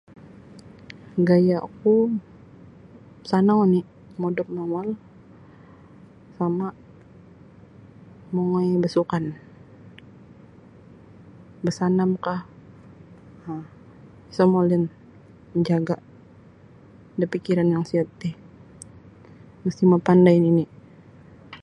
Gaya oku sanang oni modop mawal sama mongoi basukan basanam ka um isa molin jaga da pikiran yang sihat ti masti mapandai nini